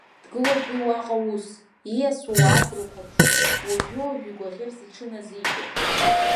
Дгылоуп уи уаҟа ус, ииасуа ауаа дрыхәаԥшуа, уажәы-уажәы игәаӷьырц иҽыназикуеит.